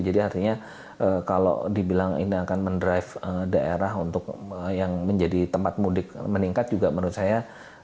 jadi artinya kalau dibilang ini akan mendrive daerah untuk yang menjadi tempat mudik meningkat juga menurut saya